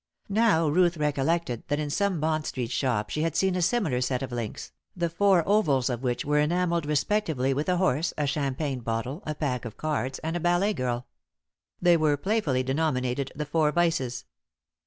Now Ruth recollected that in some Bond street shop she had seen a similar set of links, the four ovals of which were enamelled respectively with a horse, a champagne bottle, a pack of cards, and a ballet girl. They were playfully denominated the four vices.